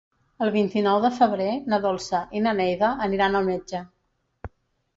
El vint-i-nou de febrer na Dolça i na Neida aniran al metge.